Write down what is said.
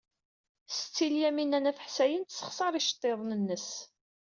Setti Lyamina n At Ḥsayen tessexṣar iceḍḍiḍen-nnes.